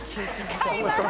買います！